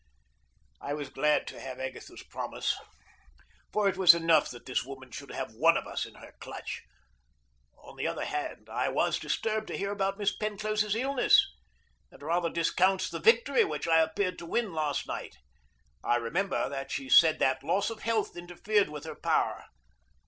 I was glad to have Agatha's promise, for it was enough that this woman should have one of us in her clutch. On the other hand, I was disturbed to hear about Miss Penclosa's illness. It rather discounts the victory which I appeared to win last night. I remember that she said that loss of health interfered with her power.